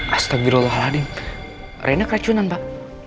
astagfirullahaladzim rena keracunan pak